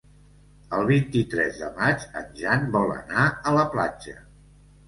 El vint-i-tres de maig en Jan vol anar a la platja.